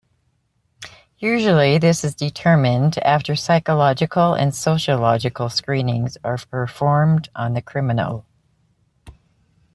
Usually this is determined after psychological and sociological screenings are performed on the criminal.